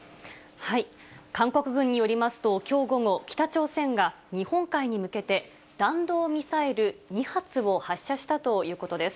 韓国軍によりますと、きょう午後、北朝鮮が日本海に向けて、弾道ミサイル２発を発射したということです。